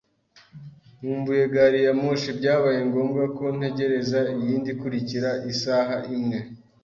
Nkumbuye gari ya moshi, byabaye ngombwa ko ntegereza iyindi ikurikira isaha imwe.